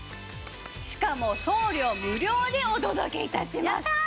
しかも送料無料でお届け致します。